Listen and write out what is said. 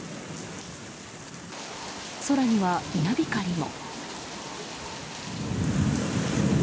空には稲光も。